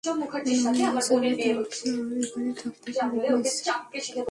আমি আজ রাত আপনার এখানে থাকতে পারি, প্লিজ।